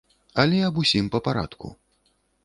Але аб усім па парадку.